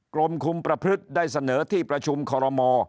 กรมคุมประพฤติได้เสนอที่ประชุมคอรมอ